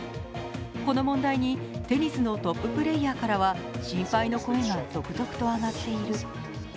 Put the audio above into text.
この問題にテニスのトッププレーヤーからは心配の声が続々と上がっている。